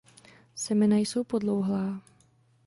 Semena jsou podlouhlá.